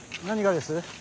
何がです。